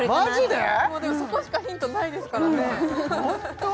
でもそこしかヒントないですからねホント！？